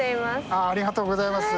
ありがとうございます。